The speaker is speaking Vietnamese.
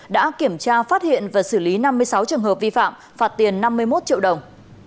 đã kiểm tra phát hiện và xử lý năm mươi sáu trường hợp vi phạm phạt tiền năm mươi một triệu đồng